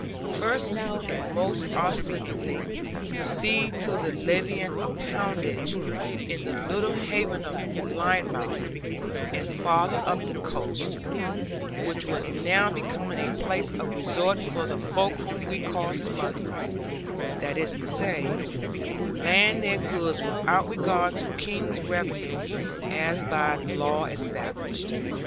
First, and most ostensibly, to see to the levying of poundage in the little haven of Lynmouth, and farther up the coast, which was now becoming a place of resort for the folk whom we call smugglers, that is to say, who land their goods without regard to King's revenue as by law established.